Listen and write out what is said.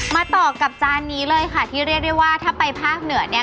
มาต่อกับจานนี้เลยค่ะที่เรียกได้ว่าถ้าไปภาคเหนือเนี่ย